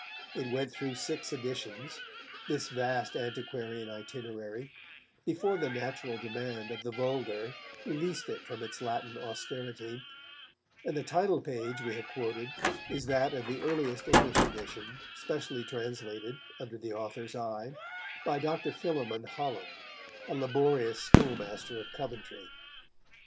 It went through six editions, this vast antiquarian itinerary, before the natural demand of the vulgar released it from its Latin austerity; and the title page we have quoted is that of the earliest English edition, specially translated, under the author's eye, by Dr. Philémon Holland, a laborious schoolmaster of Coventry.